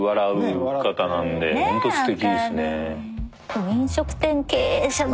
うん。